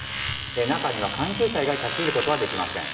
中には関係者以外立ち入ることはできません。